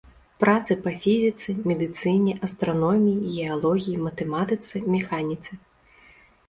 Працы па фізіцы, медыцыне, астраноміі, геалогіі, матэматыцы, механіцы.